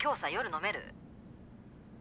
飲める！